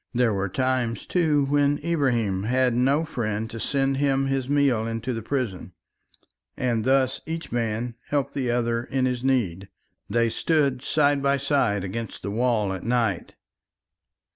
There were times, too, when Ibrahim had no friend to send him his meal into the prison. And thus each man helped the other in his need. They stood side by side against the wall at night.